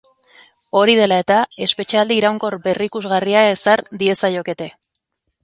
Hori dela eta, espetxealdi iraunkor berrikusgarria ezar diezaiokete.